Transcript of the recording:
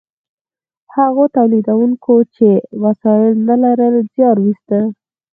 هغو تولیدونکو چې وسایل نه لرل زیار ویسته.